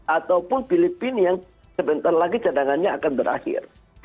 ataupun filipina yang sebentar lagi cadangannya akan berakhir